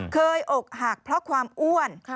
อกหักเพราะความอ้วน